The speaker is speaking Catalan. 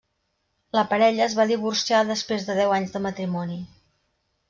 La parella es va divorciar després de deu anys de matrimoni.